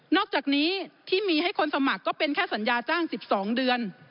อกจากนี้ที่มีให้คนสมัครก็เป็นแค่สัญญาจ้าง๑๒เดือน